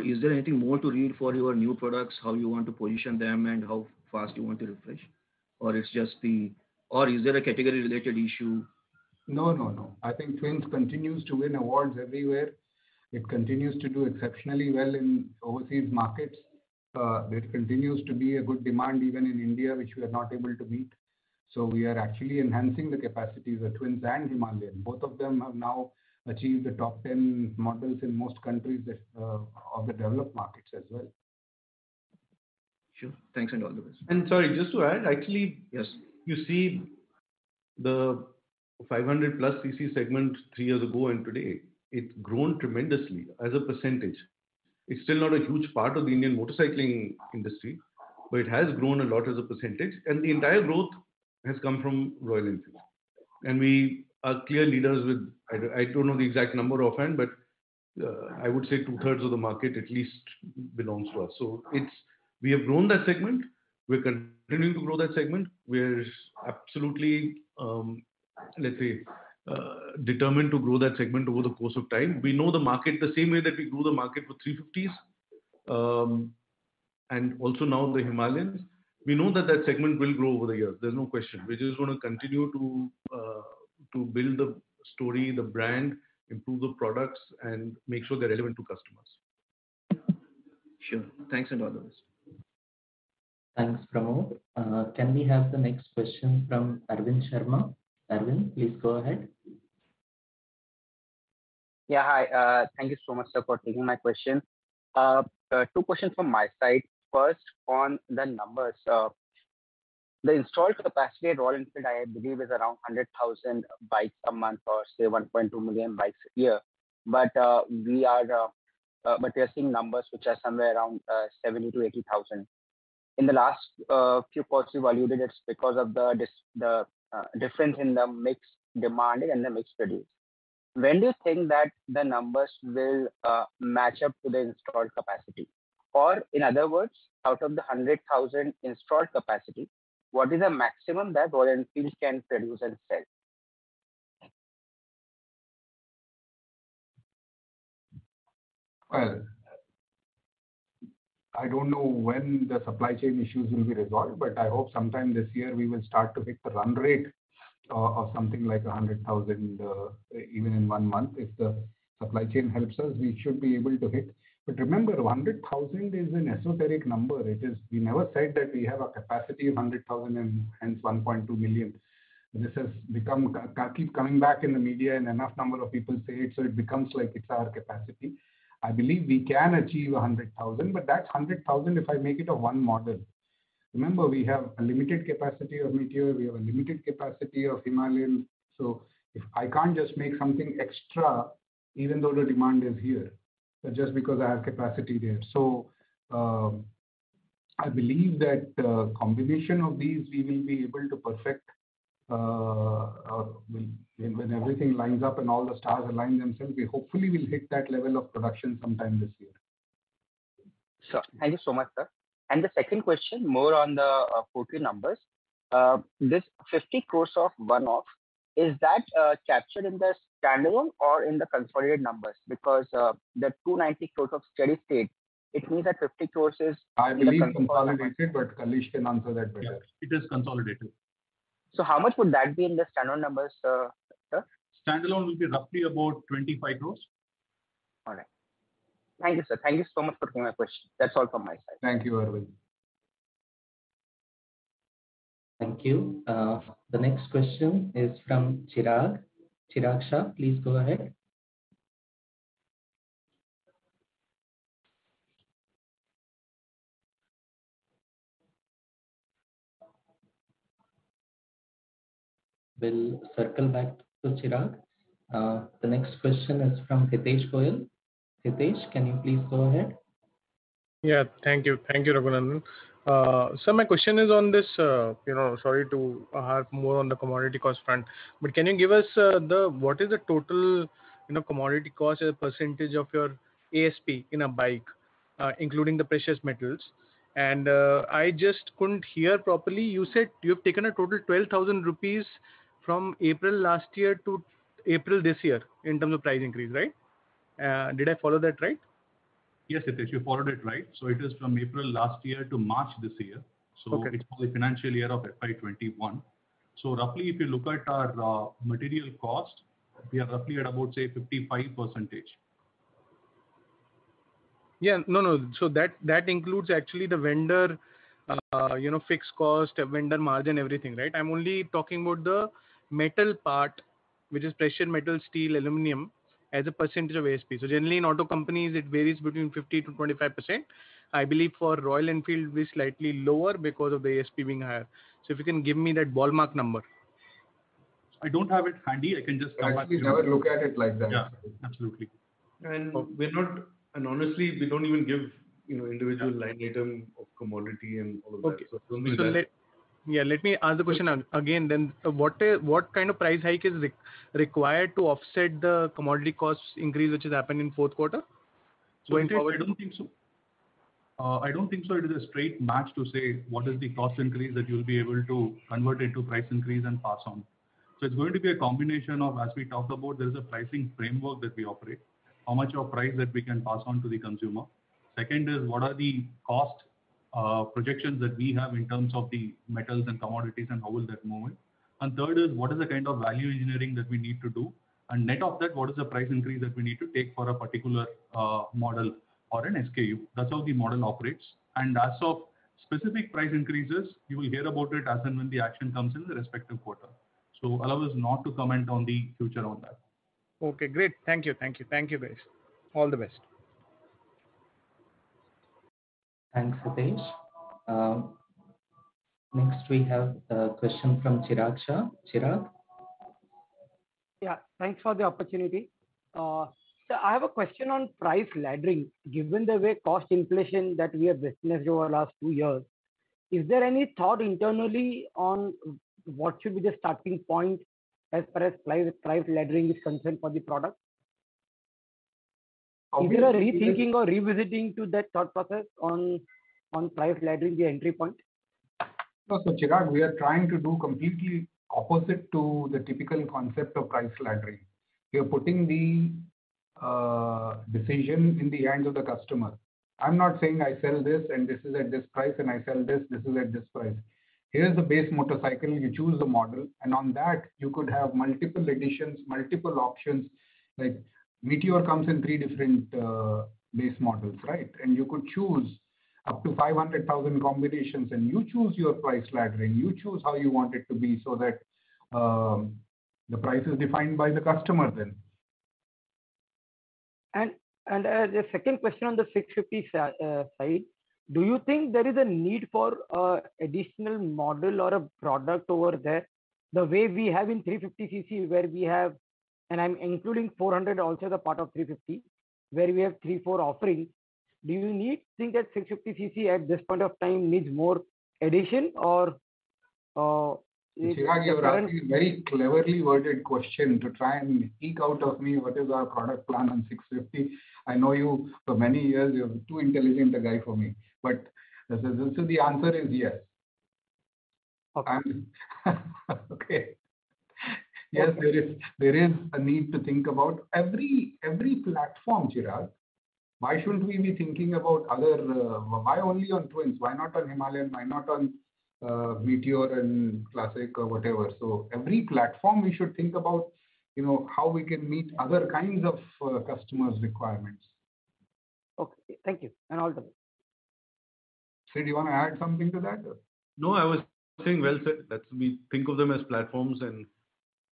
Is there anything more to read for your new products, how you want to position them, and how fast you want to refresh? Is there a category-related issue? No. I think Twins continues to win awards everywhere. It continues to do exceptionally well in overseas markets. There continues to be a good demand even in India, which we are not able to meet. We are actually enhancing the capacity, the Twins and Himalayan. Both of them have now achieved the top 10 models in most countries of the developed markets as well. Sure. Thanks in all the ways. Sorry, just to add, actually. Yes You see the 500+ cc segment three years ago and today, it's grown tremendously as a percentage. It's still not a huge part of the Indian motorcycling industry, but it has grown a lot as a percentage, and the entire growth has come from Royal Enfield. We are clear leaders with, I don't know the exact number offhand, but I would say two-thirds of the market at least belongs to us. We have grown that segment. We are continuing to grow that segment. We are absolutely determined to grow that segment over the course of time. We know the market the same way that we grew the market for 350s, and also now the Himalayans. We know that that segment will grow over here. There's no question. We're just going to continue to build the story, the brand, improve the products, and make sure they're relevant to customers. Sure. Thanks in all the ways. Thanks, Pramod. Can we have the next question from Arvind Sharma? Arvind, please go ahead. Yeah. Thank you so much, sir, for taking my question. Two questions from my side. First, on the numbers. The installed capacity at Royal Enfield, I believe, is around 100,000 bikes a month or, say, 1.2 million bikes a year. We are testing numbers which are somewhere around 70,000 to 80,000. In the last Q4, you evaluated it's because of the difference in the mix demand and the mix produce. When do you think that the numbers will match up to the installed capacity? In other words, out of the 100,000 installed capacity, what is the maximum that Royal Enfield can produce and sell? Well, I don't know when the supply chain issues will be resolved, but I hope sometime this year we will start to hit the run rate of something like 100,000 even in one month. If the supply chain helps us, we should be able to hit. Remember, 100,000 is a necessary number. We never said that we have a capacity of 100,000 and hence 1.2 million. This has kept coming back in the media, and enough number of people say it, so it becomes like it's our capacity. I believe we can achieve 100,000, but that's 100,000 if I make it a one model. Remember, we have a limited capacity of Meteor, we have a limited capacity of Himalayan. I can't just make something extra even though the demand is here, just because I have capacity there. I believe that combination of these, we will be able to perfect. When everything lines up and all the stars align themselves, we hopefully will hit that level of production sometime this year. Sure. Thank you so much, sir. The second question, more on the Q3 numbers. This 50 crores of one-off, is that captured in the standalone or in the consolidated numbers? The 290 crores of steady state, it means that 50 crores is- I believe consolidated, but Kalees can answer that better. Yes. It is consolidated. How much would that be in the standalone numbers, sir? Standalone will be roughly about 25 crores. All right. Thank you, sir. Thank you so much for taking my question. That is all from my side. Thank you, Arvind. Thank you. The next question is from Chirag. Chirag Shah, please go ahead. We will circle back to Chirag. The next question is from Hitesh Goel. Hitesh, can you please go ahead? Yeah. Thank you, Vinod. Sir, my question is on this, sorry to harp more on the commodity cost front, but can you give us what is the total commodity cost as a percentage of your ASP in a bike, including the precious metals? I just couldn't hear properly. You said you've taken a total 12,000 rupees from April last year to April this year in terms of price increase, right? Did I follow that right? Yes, Hitesh, you followed it right. It is from April last year to March this year. Okay. For the financial year of FY 2021. Roughly, if you look at our material cost, we are roughly at about, say, 55%. Yeah. No, that includes actually the vendor fixed cost, vendor margin, everything, right? I'm only talking about the metal part, which is precious metal, steel, aluminum as a percentage of ASP. Generally, in auto companies it varies between 15%-25%. I believe for Royal Enfield, it'll be slightly lower because of the ASP being higher. If you can give me that ballpark number. I don't have it handy. Actually, never look at it like that. Yeah, absolutely. Honestly, we don't even give individual line item of commodity and all of that. Okay. Yeah, let me ask the question again then. What kind of price hike is required to offset the commodity cost increase which has happened in Q4? I don't think so it is a straight match to say what is the cost increase that you'll be able to convert into price increase and pass on. It's going to be a combination of, as we talked about, there's a pricing framework that we operate, how much of price that we can pass on to the consumer. Second is, what are the cost projections that we have in terms of the metals and commodities, and how will that move? Third is what is the kind of value engineering that we need to do. Net of that, what is the price increase that we need to take for a particular model or an SKU? That's how the model operates. As of specific price increases, you will hear about it as and when the action comes in the respective quarter. Other than that, not to comment on the future on that. Okay, great. Thank you. All the best. Thanks, Hitesh. Next we have a question from Chirag Shah. Chirag. Yeah, thanks for the opportunity. Sir, I have a question on price laddering. Given the way cost inflation that we have witnessed over the last two years, is there any thought internally on what should be the starting point as far as price laddering is concerned for the product? Is there a rethinking or revisiting to that thought process on price laddering, the entry point? No. Chirag, we are trying to do completely opposite to the typical concept of price laddering. We are putting the decision in the hands of the customer. I am not saying I sell this and this is at this price, and I sell this is at this price. Here is the base motorcycle, you choose the model, and on that you could have multiple editions, multiple options, like Meteor comes in three different base models, right? You could choose up to 500,000 combinations, and you choose your price laddering. You choose how you want it to be so that the price is defined by the customer then. The second question on the 650 side. Do you think there is a need for a additional model or a product over there, the way we have in 350cc where we have, and I'm including 400 also the part of 350, where we have three, four offerings. Do we think that 650cc at this point of time needs more addition? Chirag, you're asking very cleverly worded question to try and leak out of me what is our product plan on 650. I know you for many years, you are too intelligent a guy for me. Still the answer is yes. Okay. Okay. Yes, there is a need to think about every platform, Chirag. Why should we be thinking about? Why only on Twins? Why not on Himalayan? Why not on Meteor and Classic or whatever? Every platform we should think about how we can meet other kinds of customers' requirements. Okay. Thank you. All the best. Sidd, you want to add something to that? No, I would say well said. We think of them as platforms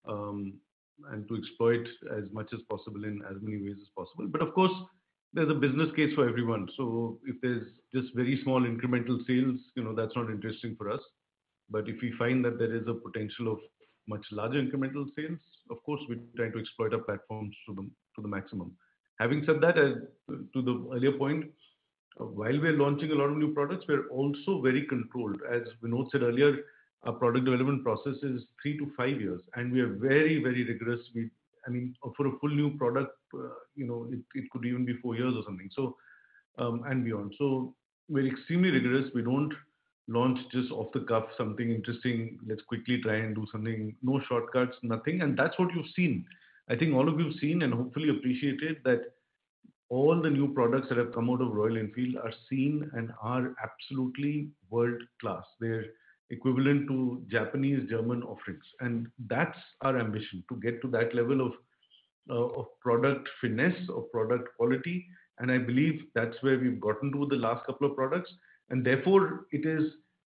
and to exploit as much as possible in as many ways as possible. Of course, there's a business case for every one. If there's just very small incremental sales, that's not interesting for us. If we find that there is a potential of much larger incremental sales, of course, we try to exploit our platforms to the maximum. Having said that, to the earlier point, while we are launching a lot of new products, we are also very controlled. As Vinod said earlier, our product development process is three to five years, and we are very, very rigorous. For a full new product, it could even be four years or something, and beyond. We're extremely rigorous. We don't launch just off the cuff something interesting, let's quickly try and do something. No shortcuts, nothing. That's what you've seen. I think all of you have seen and hopefully appreciated that all the new products that have come out of Royal Enfield are seen and are absolutely world-class. They're equivalent to Japanese, German offerings. That's our ambition, to get to that level of product finesse, of product quality. I believe that's where we've gotten to with the last couple of products. Therefore,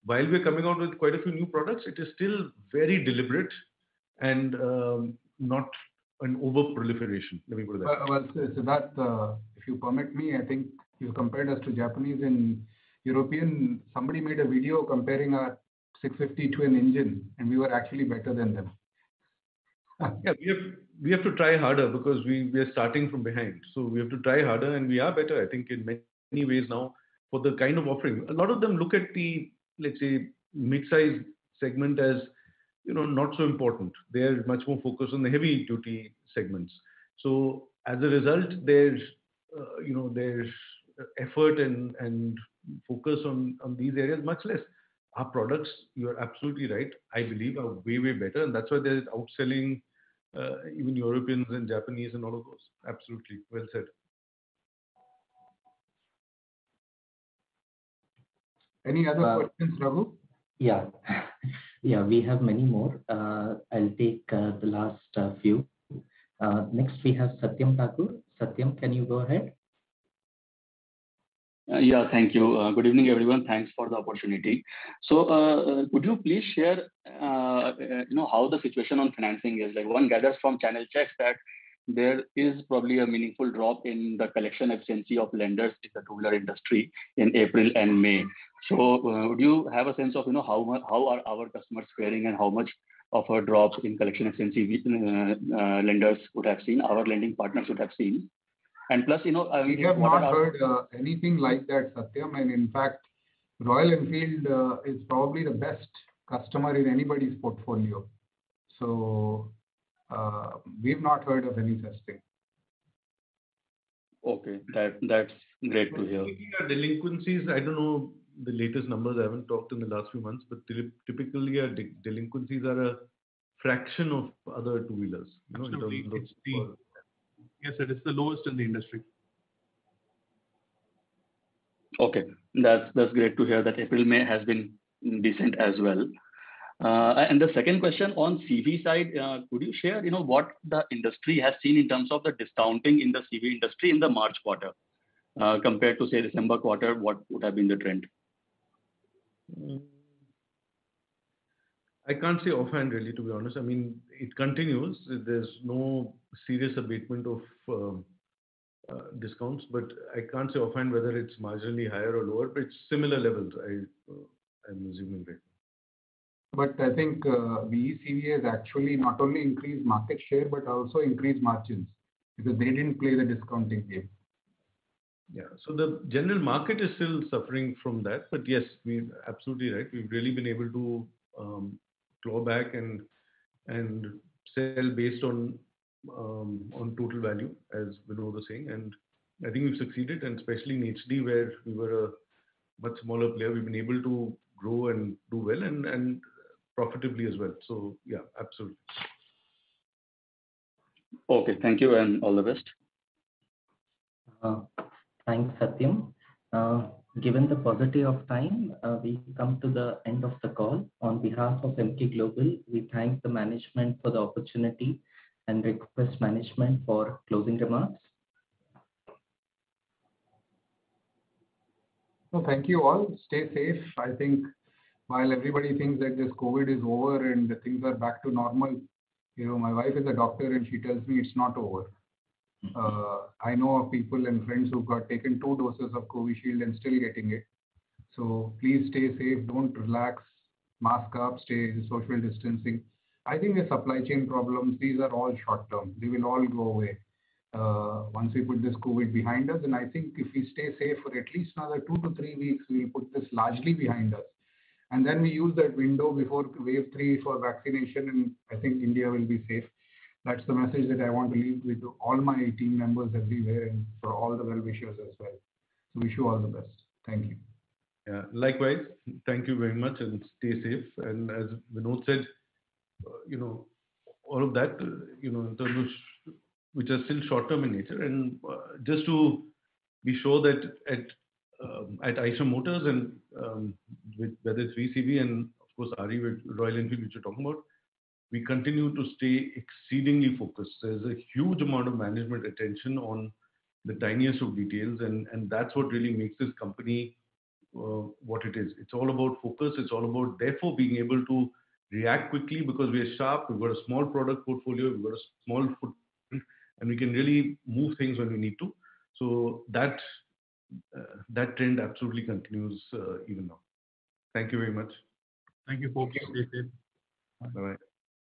while we're coming out with quite a few new products, it is still very deliberate and not an over-proliferation. Let me put it that way. Siddhartha, if you permit me, I think you compared us to Japanese and European. Somebody made a video comparing our 650 to an engine, and we were actually better than them. Yeah. We have to try harder because we are starting from behind. We have to try harder, and we are better, I think, in many ways now for the kind of offering. A lot of them look at the, let’s say, midsize segment as not so important. They are much more focused on the heavy-duty segments. As a result, their effort and focus on these areas is much less. Our products, you’re absolutely right, I believe, are way better. That’s why they’re outselling even Europeans and Japanese and all of those. Absolutely. Well said. Any other questions, Prabhu? Yeah. We have many more. I’ll take the last few. Next, we have Satyam Thakur. Satyam, can you go ahead? Yeah. Thank you. Good evening, everyone. Thanks for the opportunity. Could you please share how the situation on financing is? Everyone gathers from channel checks that there is probably a meaningful drop in the collection efficiency of lenders in the two-wheeler industry in April and May. Do you have a sense of how are our customers faring and how much of a drop in collection efficiency these lenders could have seen, our lending partners could have seen? We have not heard anything like that, Satyam, and in fact, Royal Enfield is probably the best customer in anybody’s portfolio. We’ve not heard of any such thing. Okay. That's great to hear. Our delinquencies, I don’t know the latest numbers. I haven’t talked in the last few months, but typically, our delinquencies are a fraction of other two-wheelers. It should be pretty- Yes, it is the lowest in the industry. Okay. That’s great to hear that April and May has been decent as well. The second question on the CV side, could you share what the industry has seen in terms of the discounting in the CV industry in the March quarter compared to, say, December quarter, what would have been the trend? I can’t say offhand, really, to be honest. It continues. There’s no serious abatement of discounts. I can’t say offhand whether it’s marginally higher or lower. It’s similar levels I’m assuming right now. I think VECV has actually not only increased market share but also increased margins because they didn’t play the discounting game. Yeah. The general market is still suffering from that. Yes, absolutely right. We’ve really been able to claw back and sell based on total value, as Vinod was saying. I think we’ve succeeded, especially in HD, where we were a much smaller player. We’ve been able to grow and do well and profitably as well. Yeah, absolutely. Okay. Thank you and all the best. Thanks, Satyam. Given the paucity of time, we’ve come to the end of the call. On behalf of Emkay Global, we thank the management for the opportunity and request management for closing remarks. Thank you all. Stay safe. I think while everybody thinks that this COVID is over and things are back to normal, my wife is a doctor, and she tells me it’s not over. I know of people and friends who’ve taken two doses of Covishield and still getting it. Please stay safe. Don’t relax. Mask up, stay in social distancing. I think the supply chain problems, these are all short-term. They will all go away once we put this COVID behind us, and I think if we stay safe for at least another two to three weeks, we’ll put this largely behind us. Then we use that window before wave three for vaccination, I think India will be safe. That’s the message that I want to leave with all my team members everywhere and for all the well-wishers as well. Wish you all the best. Thank you. Likewise. Thank you very much and stay safe. As Vinod said, all of that in terms of which are still short-term in nature. Just to be sure that at Eicher Motors and whether it’s VECV and of course, RE, Royal Enfield, which we're talking about, we continue to stay exceedingly focused. There’s a huge amount of management attention on the tiniest of details, and that’s what really makes this company what it is. It’s all about focus. It’s all about therefore being able to react quickly because we are sharp. We’ve got a small product portfolio, we’ve got a small footprint, and we can really move things when we need to. That trend absolutely continues even now. Thank you very much. Thank you. Stay safe. Bye-bye.